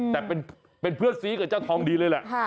แต่เป็นเพื่อนซีกับเจ้าทองดีเลยแหละ